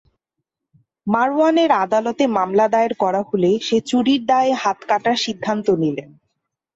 মারওয়ানের আদালতে মামলা দায়ের করা হলে, সে চুরির দায়ে হাত কাটার সিদ্ধান্ত নিলেন।